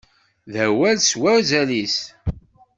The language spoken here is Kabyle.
D awal s wazal-is.